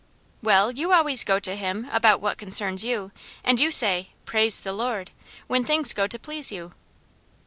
"Well, you always go to Him about what concerns you, and you say, 'Praise the Lord,' when things go to please you."